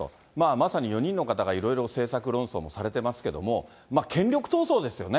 まさに４人の方がいろいろ政策論争もされてますけれども、権力闘争ですよね。